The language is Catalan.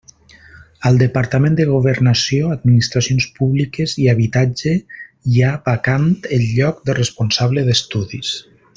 Al Departament de Governació, Administracions Públiques i Habitatge hi ha vacant el lloc de responsable d'estudis.